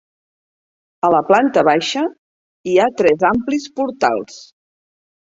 A la planta baixa hi ha tres amplis portals.